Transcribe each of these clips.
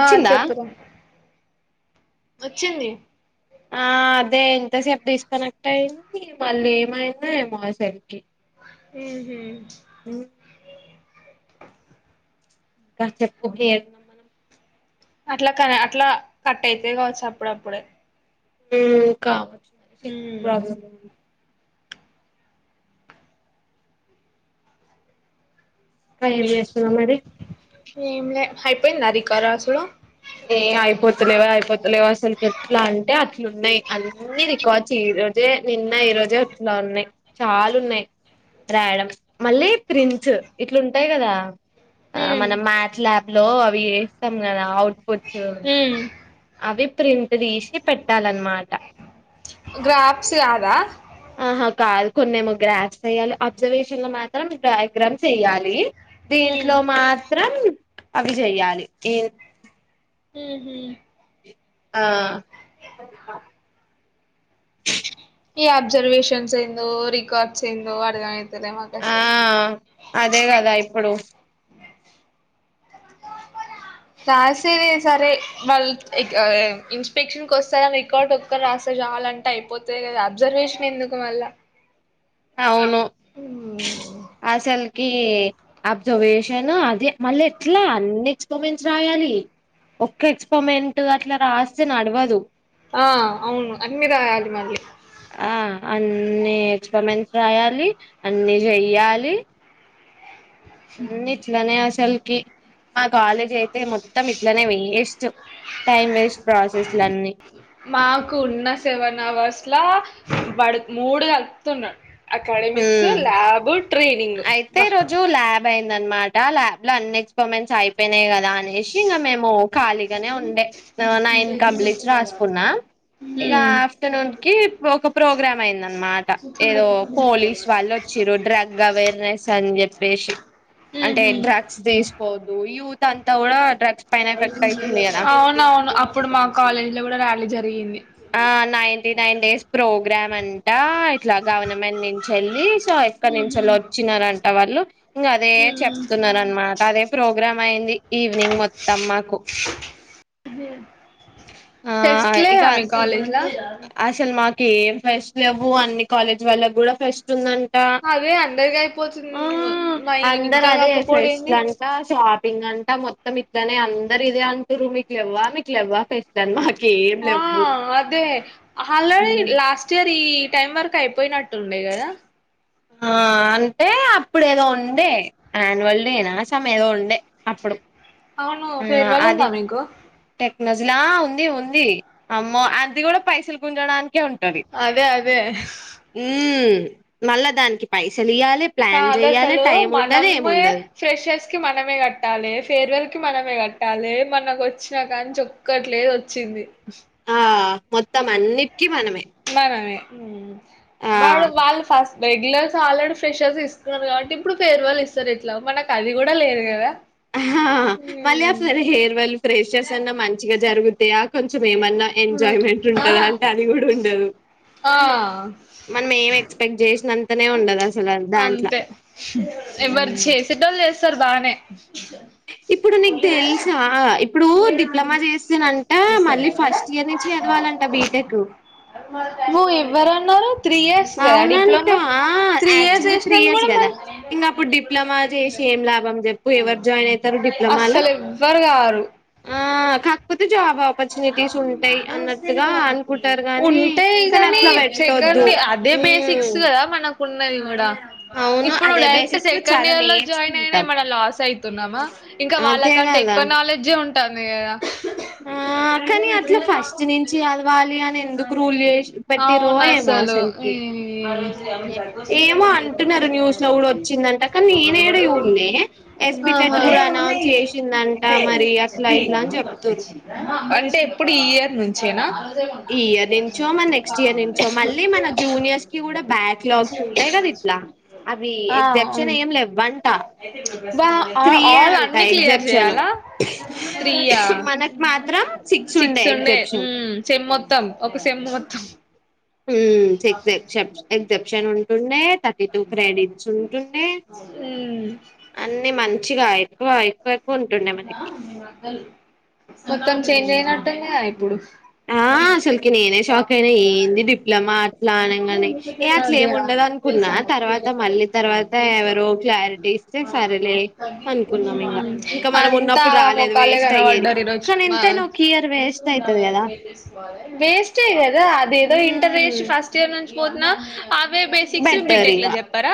ఆ చెప్పురా వొచ్చింది ఆ అదే ఇంతసేపు డిస్కనెక్ట్ అయింది మళ్ళీ ఏమైందో ఏమో అసల్కి ఊ హు ఊ [unintelligible] మనం అట్లా కని అట్లా కటైతై కావచ్చు అప్పుడప్పుడే హుమ్ కావచ్చుమరి సిగ్నల్ ఉమ్ ప్రాబ్లమూ ఇంకా ఎం చేస్తున్నావ్ మరి ఏంలే అయిపోందా రికార్డ్ రాసుడు ఏ అయిపోతలేవే అయిపోతలేవాసల్కి ఏట్లా అంటే అట్లున్నాయి అన్ని రికార్డ్స ఏ ఈ రోజే నిన్న ఈ రోజే అట్లా ఉన్నాయ్ చాలున్నాయ్ రాయడం మళ్ళీ ప్రిన్ట్ ఇట్లుంటాయి కదా ఆ ఉమ్ మనం మ్యాథ్ ల్యాబ్లో అవి ఏస్తాం కదా ఔట్పుట్స్ ఉమ్ అవి ప్రింట్ దీసి పెట్టాలన్నమాట గ్రాఫ్స్ కాదా ఆహా కాదు కొన్నేమో గ్రాప్స్ వేయ్యాలి అబ్జర్వేషన్లో మాత్రం డయ్గ్రామ్స్ ఏయ్యాలి ఉమ్ దీంట్లో మాత్రం అవి చెయ్యాలి ఇ మ్ హు ఆ ఈ అబ్జర్వేషన్స్ ఏందో రికార్డ్స్ ఏందో అర్ధమై ఆ అదే కదా ఇప్పుడు రాసేది సరే వాళ్ ఎక్ అ ఇన్స్పెక్షన్కి ఓస్తారా రికార్ట్ ఒక్కట్ రాస్ చాలంటే అయిపోతే కదా అబ్జర్వేషన్ ఎందుకు మళ్ళా ఔను ఉమ్ ఆసల్ కి అబ్జర్వేషన్ అది మళ్ళీ ఎట్లా అన్ని ఎక్స్పర్మెంట్స్ రాయాలి ఒక్క ఎక్స్పరిమెంట్ అట్లా రాస్తే నడ్వదు ఆ అవును అన్ని రాయాలి మల్లి ఆ అన్ని ఎక్స్పరిమెంట్స్ రాయాలి అన్ని జెయ్యాలి అన్నిట్లనే అసల్కి మా కాలేజైతే మొత్తం ఇట్లనే వేస్ట్ టైం వేస్ట్ ప్రాసెస్లన్నీ మాకున్న సెవెన్ అవర్స్లా వాడు మూడు కల్పుతున్నాడ్ అక్కడమిక్స్ ఉమ్ ల్యాబు ట్రైనింగ్ బ్బ అయిందన్మాటా ల్యాబ్లో అన్ని ఎక్స్పమెంట్స్ అయి అపోయినాయి కదా అనేసి ఇంకా మేము ఖాళీగానే ఉండే నైన్ కబ్లిట్స్ రాసుకున్నా ఇగా హ్మ్. ఆఫ్టర్నూన్కి ఒక ప్రోగ్రామైందన్నమాట ఏదో పోలీస్వాళ్ళు ఓచ్చిరు డ్రగ్ అవేర్నెస్ అని చెప్పేసి అంటే హుహు. డ్రగ్స్ దిస్కోదు యూత్ అంతా కూడా డ్రగ్ ఔనవును అప్పుడు మా కాలేజ్లో కూడా ర్యాలీ జరిగింది ఆ నైన్టీ నైన్ డేస్ ప్రోగ్రామ్ అంటా ఇట్లా గవర్నమెంట్ నుంచేళ్ళి చో ఎక్కడ్నుంచో హుహు. వచ్చినారంట వాళ్ళు ఇంగ అదే హ్మ్. చెప్తున్నారు అన్నమాట అదే ప్రోగ్రామ్ ఆఇంది ఈవెనింగ్ మొత్తం మాకు ఆ ఫెస్లే ఇక వా మీ కలేజ్లా అసలు మాకీ ఏం ఫెస్ట్ లేవ్వు అన్ని కాలేజ్ వాళ్లకి కూడా ఫెస్టుందం టా అదే అందరికయిపోతుంది. అ మయి ఇంకా అందరదే ఫెస్ట్ కాకపోవుడేంది? అంట షా పింగ్ అంట మొత్తం ఇట్లనే అందరిదే అంటుర్రు మీకు లేవ్వా మీకు లేవ్వాక ఫెస్ట్ అని మాట్ ఆ అదే ఆల్రెడీ ఉమ్ లాస్టిర్ ఇయర్ ఈ టైం వరకు అయిపోయ్నట్టుండే కదా ఆ అంటే అప్పుడేదో ఉండే అనివాల్ డేనా సం ఎదో ఉండే అప్పుడు అవును అది ఫేర్వాళ్ళుందా మీకు టెక్నజ్లా ఆ ఉంది ఉంది అమ్మో అది కూడా పైసలు గుంజడానికే ఉం టది అదే అదే మ్ మళ్ళా దానికి పైస లియ్యాలి ప్లాన్ కాదు జెయ్యాలే అసలు టైం ఉండదు మనమే ఏముండదు ఫ్రెషర్స్ కి మనమే కట్టాలే ఫేర్వెల్కి మనమే కట్టాలే మనకు వచ్చినా కానీ ఒక్కట్లేదోచ్చిం ది ఆ మొత్తం అన్నీటికి మనమే మనమే మ్ ఆ వాళ్లు వాళ్లు ఫస్ రెగ్యులర్స్ ఆల్రెడీ ఫ్రెషర్స్ తీస్కున్నరు కాబట్టి ఇప్పుడు ఫేర్వెల్ ఇస్తారు ఇట్లాగో మనకు అది కూడా లేదు గదా ఆహా హ హ మళ్ళీ అసల్ ఫేర్వెల్ ఫ్రెషసన్న మంచిగ జరుగుతయ కొంచెం ఏమన్నా ఎంజాయ్మెంట్ ఉంటందా అంటే అది కూడా ఉండదు ఆ మనమేం ఎక్స్పెక్ట్ చేసినం తనే ఉండదు అసలు దాంట్ల అంతే ఎవరు చేసేటోళ్ళు చేస్తారు బానే ఇప్పుడు నీకు తెలుసా ఇప్పుడు డిప్లొమా చేస్తనంటే మళ్లి ఫస్ట్ ఇయర్ నుంచి చదవ వాలంట బీటెకు నువ్వు ఇవ్వరన్నరు త్రీ ఇయర్స్ గదా అవునంట డిప్లొమా ఆ త్రీ ఇయర్స్ యాక్టుల్ గా త్రీ చేసినందుకు ఇయర్స్ కూడా గదా మళ్ళీ ఇంక అప్పుడు డిప్లొమా చేసి ఏం లాభం చెప్పు ఎవరు జాయిన్ అయితరు డిప్ అస్సలు ఎవ్వరు గారు ఆ క అన్నట్టుగా అనుకుంటారు గాని ఉంటయ్ కానీ గని అట్లా పెట్టొద్దు సెకండ్ ఇగ అ టే బేసిక్స్ గద మనకు ఉన్నది గూడా అవ్ ఇప్పుడు డైరెక్ట్ సెకండ్ ఇయర్ లో జాయిన్ అయిన ఏమైనా లాస్ అయితున్నామా ఇంకా వాళ్ళ అంతే కంటే కదా ఎక్కువ నా నాలెడ్జె ఉంటంది గదా ఆ కానీ అట్లా ఫస్ట్ నుంచి చదవాలి అని ఎందుకు రూల్ చేసిర్ పెట్టిరో అవును ఏమో అసలు అసల్ కి ఈ ఏమో అంటున్నారు న్యూస్ లో కూడా వచ్చిందంట కానీ నేనేడ జూడ్లే ఎస్బిటెట్ కూడా అనౌన్స్ చేసిందంట మరి అట్లా ఇట్లా అని చెప్తుర్రు అంటే ఇప్పుడు ఈ ఇయర్ నుంచేనా ఈ ఇయర్ నుంచో మరి నెక్స్ట్ ఇయర్ నుంచో మళ్ళీ మన జూనియర్స్ కి కూడా బ్యాక్లాగ్స్ ఉంటాయి కదా ఇట్లా అవి ఆ ఉ ఎగ్జెప్షన్ ఏం లెవ్వంట బ ఆ త్రీయే ఆల్ అంట అన్ని క్లియర్ ఎగ్జెప్షన్ చేయాలా త్రీ ఆ మనకు మాత్రం ఉండే సిక్స్ ఉన్సయ్ ఎగ్జెప్షన్ ఊమ్ సెమ్ మొత్తం ఒక సెమ్ మొత్తం ఉమ్ సిక్స్ ఎక్జాప్ష ఎక్జప్షన్ ఉంటుండే థర్టీ టూ క్రెడిట్స్ ఉంటుండే ఉమ్ అన్నీ మంచిగా ఎక్కువ అయ్ మొత్తం చేంజ్ హ్మ్. అయినట్టుందిగా ఇప్పుడు ఆ అసల్కి నేనే షాక్ అయినా ఏంది డిప్లొమా అట్లనంగనే ఏ అదే అట్లేమ్ ఉండదు అనుకున్నా తర్వాత మళ్లీ తర్వాత ఎవరో క్లారిటీ ఇస్తే సరేలే అనుకున్నా ఇంగ ఇంక మనం అంతా ఉన్నప్పుడు రాలేదు మొఖాలే వేస్ట్ అయ్యేది కనబడ్డారు ఈరోజు కానీ మా ఎంతైనా ఒక ఇయర్ వేస్ట్ అయితది గదా వేస్టే గదా అదేదో ఇంటర్ హ్మ్. ఏషి ఫస్ట్ ఇయర్ నుంచి పోతున్న అవే బేసిక్స్ బెటర్ బిటెక్ ల ఇగ. చెప్పరా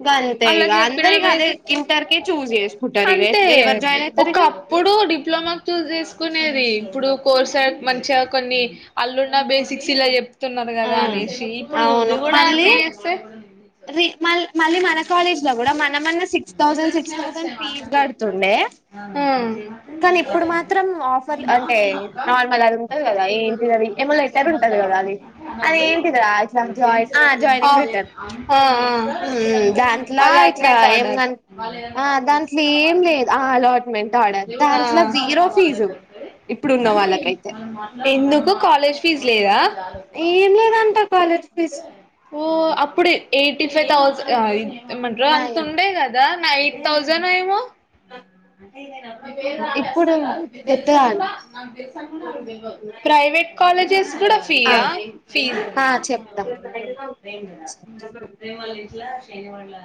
ఇగ అంతే అలా ఇగ చెప్పిన అందరు ఇగ అదే వైంది ఇంటర్ కే చూజ్ చేసుకుంటారు ఇగ అంతే ఎవరు జాయిన్ అయితారు ఇగ ఒక్కప్పుడు డిప్లొమా చూజ్ చేసుకునేది ఇప్పుడు కోర్స్ అయ్ మంచిగా కొన్ని అళ్ళున్న బేసిక్స్ ఇలా చెప్ తున్నరు ఆ గదా అనేసి ఇప్పుడు ఇది కూడా అంతే చేస్తే అది మల్ మళ్ళీ మన కాలేజ్ ల కూడా మనమన్న six thousand six thousand fees కడుతుండే కానీ ఇప్పుడు మాత్రం ఆ ఆఫర్ అంటే నార్మల్ అది ఉంటది కదా అ ఏంటిది అది ఏమో లెటర్ ఉంటది కదా అది అది ఆ ఏంటిదిరా ఇట్లా జాయిన్ జాయినింగ్ లెటర్ ఆ దాంట్లా ఇట్లా అలాట్మెంట్ ఏం కన్ ఆ దాంట్లో ఏం ఆర్డర్ లేదు ఆ అలాట్మెంట్ ఆర్డర్ ఆ దాంట్లో జీరో ఫీజు ఇప్పుడు ఉన్న వాళ్ళకైతే ఎందుకు కాలేజ్ ఫీజ్ లేదా ఏం లేదంట కాలేజ్ ఫీజ్ ఓ అప్పుడే ఎయిటీ ఫైవ్ థౌసండ్ ఆ ఇది ఏమంటరు అంత నైన్ ఉండే గదా నైయిట్ థౌజండ్ ఏమో. మీ పేర్ రాలే ఇప్పుడు అసల్ రాలే మీర్ తెలుసు అని ఎత్తగాను కూడా నాక్ తె ప్రైవేట్ కాలేజెస్ కూడా ఫ్రీ ఆ ఆహ్ ఫీజు. ఆ చెప్తా ఏమలా ఏట్లా. ఏం అట్లా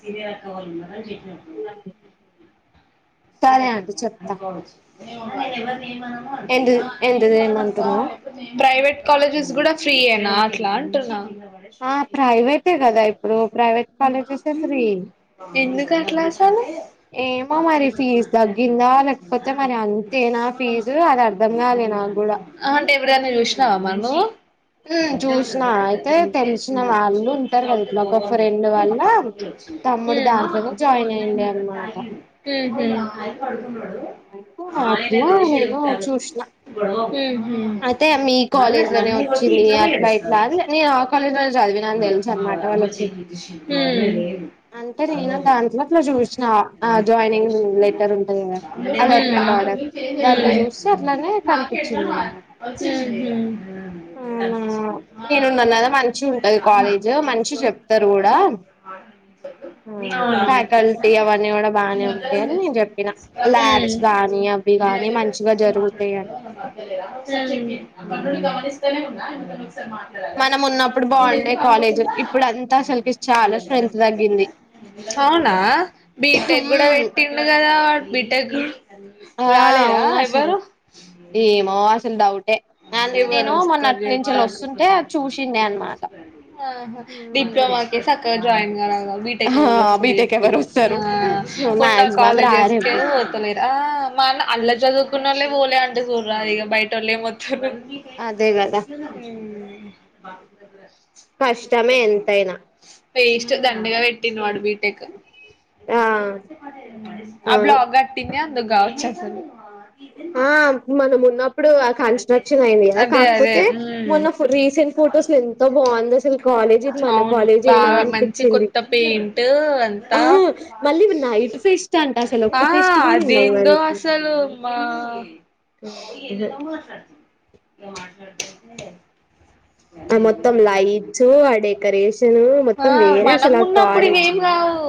సీనియర్ అక్కవాళ్ళు అని చెప్పి. ఇలాగే. సరే ఆంటి చెప్తా. ఎందు ఎంత చేయమంటున్నావు ప్రైవేట్ కాలేజెస్ కూడా. ఫ్రీయేనా అట్లా అంటున్నా. ఆ ప్రైవేటే కదా ఇప్పుడు ప్రైవేట్ కాలేజెస్ ఫ్రీ ఎందుకు అట్లా ఆస. ఏమో మరి ఫీజు తగ్గిందా లేకపోతే మరి అంతేనా ఫీజు అది అర్ధం కాలేదా నాకు. గూడా. ఎప్పుడన్నా చూసినావ మరి నువ్వు. [unintelligible] ఉమ్ చూసిన ఉమ్. అయితే తెలిసిన వాళ్ళు ఉంటారు కదా ఇట్లా ఒక ఫ్రెండ్ వల్ల తమ్ముడు దాంట్లోనే జాయిన్ అయ్యండి అనమాట అయితే అట్లా నేను చూసిన ఉమ్. అయితే మీ మళ్ళ కాలేజ్ లోనే నన్నే కొట్టి. వచ్చింది అట్లా ఇట్లా అని నేను ఆ కాలేజ్ లో చదివినా అని తెలుసు అనమాట వాళ్ళకి ఉమ్. అంటే నేను దాంట్లో అట్ల చూసిన జాయినింగ్ లెటర్ ఉంటుంది కదా అలాట్మెంట్ ఆర్డర్. దాంట్లో చుస్తే అట్లానే కనిపించింది అనమాట. అవునా ఉమ్మ్. నేనున్నాను కదా మంచిగుంటది కాలేజ్ మంచిగా చెప్తారు కూడా. ఫ్యాకల్టీ అవన్నీ కూడా బానే ఉంటాయి అని నేను చెప్పిన ల్యాబ్స్ గాని. అంతేగాని మంచిగా జరుగుతాయని. గమనిస్తానే ఉన్న. మనం ఉన్నప్పుడు బావుండే కాలేజీ ఇప్పుడు అంతా అసలకి చాలా స్ట్రెంత్ తగ్గింది. అవునా బీటెక్ కూడా పెట్టిండు కదా వాడు బీటెక్. ఆ రాలేదా అవును అసలు ఎవ్వరు. ఏమో అసలు డౌటే ఎవరు నేను వస్తారు మొన్నటి చెప్పు నుంచి నాకు వస్తుంటే చూసిండే అనమాట ఆహ్. మాకే సక్కగా జాయిన్ గారు. బీటెక్ కి ఎవరు వస్తారు బీటెక్ చెప్పు ఎవరు ఇంగ వస్తారు ఆహ్ ఉన్న మాక్సిమం కాలేజ్స్ కే రారెవ్వరు వస్తలేరు ఆహ్. మల్ల అందులో చదువుకున్నోలే. పోలే అంట చూడు ఇగ బయటోలు ఎంవాస్తుంరు అదే కదా ఉమ్. కష్టమే ఎంతైనా. వేస్ట్ దండగా పెట్టిండు వాడు బీటెక్. ఆ ఆ అవును బ్లాక్ కట్టిందే అందుకు కావచ్చు అసలు. ఆహ్ మనం ఉన్నప్పుడు ఆక్. కన్స్ట్రక్షన్ అయింది కదా అదే అదే కాకపోతే ఉ మొన్న ఫోట్ రీసెంట్ ఫోటోస్లో ఎంతా బావుంది అసలు కాలేజీ. మన అవును కాలేజేనా బాగా మంచి అనిపించింది కొత్త పెయింట్ అంతా ఆహ్ మళ్ళీ ఇప్పుడు నైట్ ఫెస్ట్. అంటా అసలు ఒక్క ఆ పేస్ట్ కూడా ఉండదు అదేందో వాళ్లకి. అసలు మా [unintelligible] ఆ మొత్తం లైట్స్ ఆ డెకరేషన్ ఆ మొత్తం వేరే మనం అసలు ఆ ఉన్నప్పుడు కాలేజ్. ఇవేం రావు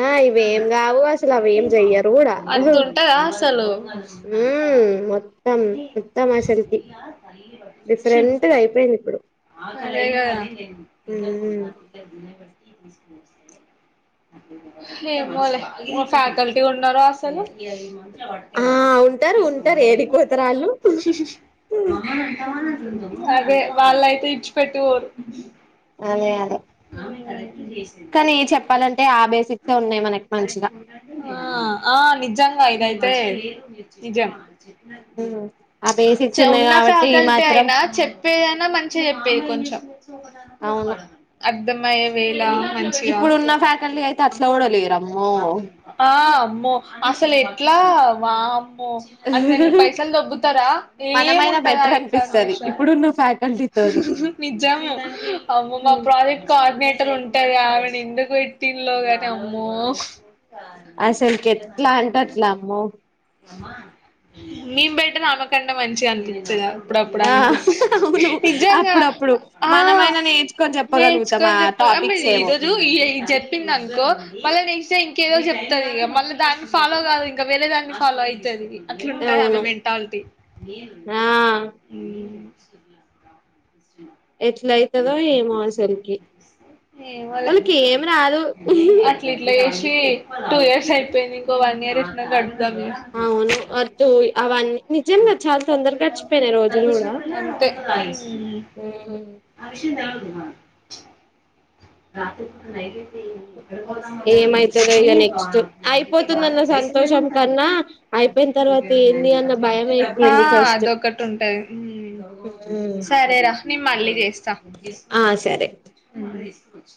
ఆహ్ ఇవి ఏం కావు అసలు అవి ఏం చెయ్యరు కూడా అంత ఉమ్. ఉంటదా అసలు మొత్తం మొత్తం అసలుకి డిఫరెంట్గా అయిపోయింది. ఇప్పుడు అదే కదా. ఉమ్. ఏమో లే మా ఫ్యాకల్టీ ఉన్నారో అసలు. వర్తే ఆ కదా ఉంటారు తీసుకుందాం ఉంటారు అని ఏడికి వెళ్ళిన పోతారు ఆళ్ళు అదే. వలైతే విడిచి పెట్టిపోరు అదే అదే కానీ చెప్పాలంటే ఆ బేసిక్స్ ఉన్నాయ్ మనక్ మంచిగా ఆ ఆ నిజంగా ఇదైతే నిజం ఆ బేసిక్స్ ఉన్నాయి చెవున్నా కాబట్టి ఈ ఫ్యాకల్టీ మాత్రం ఐనా చెప్పేదన్ చేపేది కొంచం అవును అర్థమయే వేళా మంచిగా ఇప్పుడున్న ఫ్యాకల్టీ అయితే అట్లా కూడా లేరమ్మో ఆ అమ్మో అసలేట్లా వామ్ మో అన్నన్నీ పైసల్ దొబ్బుతరా మనమైనా ఏముండదా బెటర్ అనిపిస్తది ఇన్ఫర్మేషన్ ఇప్పుడున్న ఫ్యాకల్టీతోని నిజ్జాము అమ్మె మా ప్రాజెక్ట్కా పద్మెటలుంటై ఆమెనెందుకువేట్టిల్లో గానీ అమ్మో అసల్కెట్లంటేఅట్లా అమ్మో మేం బెటర్నామకంటే మంచిగా అనిపిస్తాధ అప్పుడప్పుడు ఆ ఆమెకు అవును నీజంగా అప్పుడప్పుడు ఆ మనమైనా నేర్చుకొని చెప్పగలుగుతాం ఆ నేర్చుకోన్ జేప్పు టాపిక్స్ ఆమరి ఏమో ఈరోజు ఈఐ ఇది జెప్పిందనుకో మల్లనేక్ట్ ఇంకేదో జెప్తదిగ మల్లాదాన్ని ఫాలో గాదింకా వేరే దాన్ని ఫాలో ఐతదీ అట్లుంటదిఆమే అవును మెంటాలిటీ ఆ ఎట్లైతదో ఏమో అసలికి ఏమోలే అట్లెట్ల ఏష్ తీ టూ ఇయర్స్ ఐపోయింది ఇంకో వన్ ఇయర్ ఎట్నో గడ్ప్ అవును ఆటూ అవన్ నిజంగా చల్తోందరగా గడిచిపోనాయ్ రోజుల్ గుడా అంతే ఏమైతదో ఇగ నెక్స్ట్ ఐపోతుందన్న సంతోషం కన్నా అయిపోయినతర్ ఆ ఫస్ట్ అదొకటుంటది ఉమ్ సరేరా నేన్ మళ్ళీ జేస్తా ఆ సరే